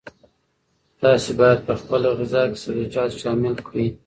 تاسي باید په خپله غذا کې سبزیجات شامل کړئ.